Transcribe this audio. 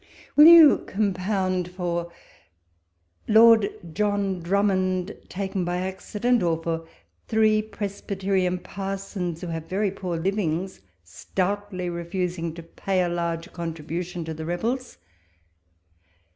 will you compound for Lord John 1 )rummond, taken by accident 'I or for three Presbyterian parsons, who have very poor livings, stoutly refusing to pay a large con tribution to the rebels'?